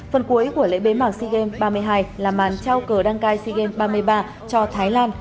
phần cuối của lễ bế mạc sigen ba mươi hai là màn trao cờ đăng cai sigen ba mươi ba cho thái lan